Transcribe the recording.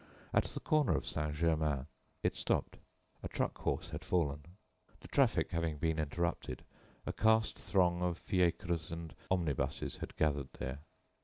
At the corner of Saint Germain it stopped. A truck horse had fallen. The traffic having been interrupted, a vast throng of fiacres and omnibuses had gathered there.